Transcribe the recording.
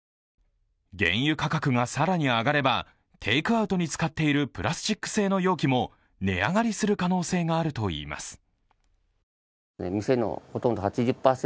原油価格が更に上がればテイクアウトに使っているプラスチック製の容器も値上がりする可能性があるといいます。